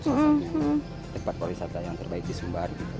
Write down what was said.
tempat perwisata yang terbaik di sumbar gitu